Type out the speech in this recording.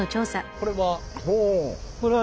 これは？